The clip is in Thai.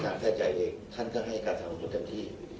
ทางแพทย์ใหญ่เอกท่านก็ให้การทำคุณเต็มที่